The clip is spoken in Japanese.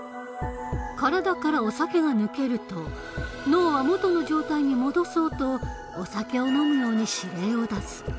体からお酒が抜けると脳は元の状態に戻そうとお酒を飲むように指令を出す。